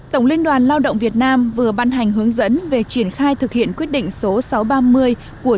tổng liên đoàn lao động việt nam vừa ban hành hướng dẫn về triển khai thực hiện quyết định số sáu trăm ba mươi của